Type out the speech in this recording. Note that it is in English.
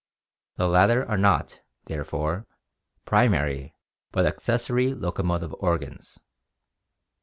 The latter are not, therefore, primary but accessory locomotive organs.